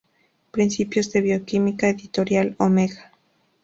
Principios de bioquímica" Editorial Omega.